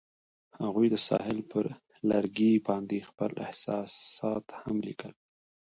هغوی د ساحل پر لرګي باندې خپل احساسات هم لیکل.